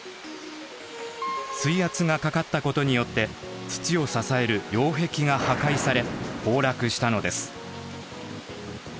水圧がかかったことによって土を支える擁壁が破壊され崩落したのです。